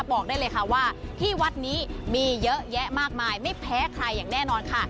บอกได้เลยค่ะว่าที่วัดนี้มีเยอะแยะมากมายไม่แพ้ใครอย่างแน่นอนค่ะ